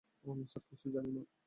আমি স্যার কিছুই জানি না।